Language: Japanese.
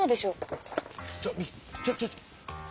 ちょミちょちょ！